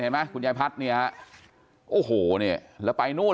เห็นไหมคุณยายพัดเนี่ยโอ้โหเนี่ยแล้วไปนู่น